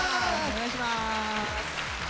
お願いします。